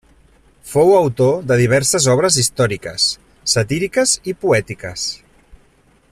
Fou autor de diverses obres històriques, satíriques i poètiques.